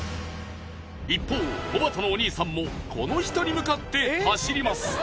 一方おばたのお兄さんもこの人に向かって走ります